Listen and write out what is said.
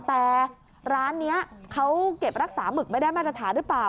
แต่ร้านนี้เขาเก็บรักษาหมึกไม่ได้มาตรฐานหรือเปล่า